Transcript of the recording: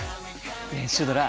ねえシュドラ。